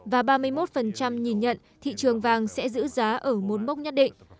và ba mươi một nhìn nhận thị trường vàng sẽ giữ giá ở một mốc nhất định